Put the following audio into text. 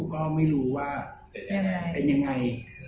ก็ไม่รู้ว่าเป็นยังไง